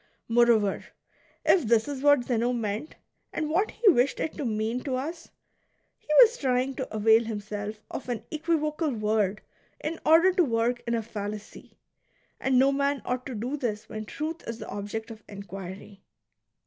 Moreover, if this is what Zeno meant, and what he wished it to mean to us, he was trying to avail himself of an equivocal word in order to work in a fallacy ; and no man ought to do this when truth is the object of inquiry.